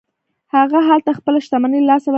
هغه هلته خپله شتمني له لاسه ورکوي.